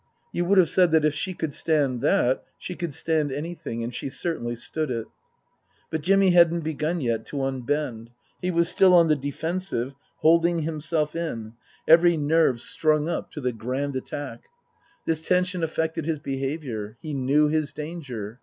You would have said that if she could stand that she could stand anything, and she certainly stood it. But Jimmy hadn't begun yet to unbend. He was still ou the defensive, holding himself in, every nerve strung 144 Tasker Jevons up to the Grand Attack. This tension affected his be haviour. He knew his danger.